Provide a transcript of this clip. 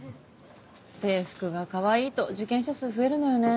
制服がかわいいと受験者数増えるのよねぇ。